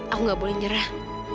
aku nggak boleh nyerah